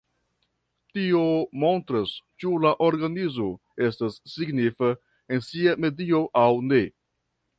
Tio montras ĉu la organizo estas signifa en sia medio aŭ ne.